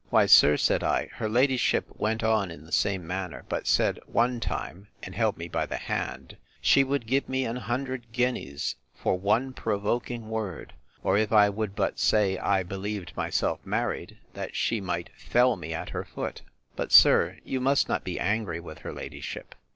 Why, sir, said I, her ladyship went on in the same manner; but said, one time, (and held me by the hand,) she would give me an hundred guineas for one provoking word; or, if I would but say I believed myself married, that she might fell me at her foot: But, sir, you must not be angry with her ladyship.